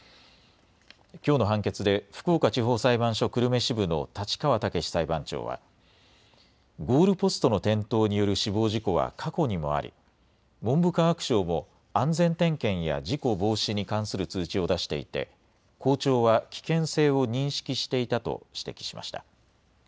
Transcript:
きょうの判決で福岡地方裁判所久留米支部の立川毅裁判長はゴールポストの転倒による死亡事故は過去にもあり文部科学省も安全点検や事故防止に関する通知を出していて校長は危険性を認識していたと指摘しました。